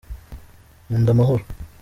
Nkunda amahoro.